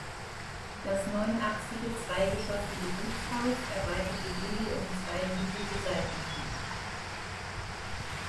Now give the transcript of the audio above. Das neunachsige, zweigeschossige Gutshaus erweiterte Gilly um zwei niedrige Seitenflügel.